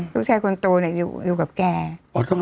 ลูกสาวคนโตอยู่บอก